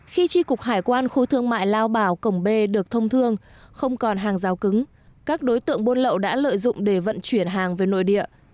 khi tri cục hải quan khu thương mại lao bảo cổng b được thông thương không còn hàng rào cứng các đối tượng buôn lậu đã lợi dụng để vận chuyển hàng về nội địa